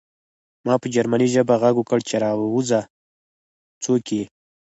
ما په جرمني ژبه غږ وکړ چې راوځه څوک یې